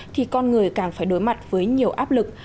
thì con người càng phải đối mặt với nhiều áp lực